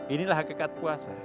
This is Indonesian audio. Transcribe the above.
inilah hakikat puasa